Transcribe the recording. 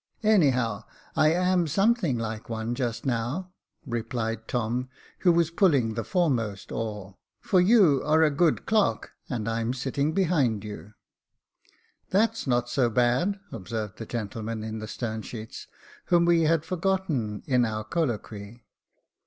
" Anyhow, I am something like one just now," replied 344 Jacob Faithful Tom, who was pulling the foremost oar j for you are a good clerk, and I am sitting behind you." " That's not so bad," observed the gentleman in the stern sheets, whom we had forgotten in our colloquy.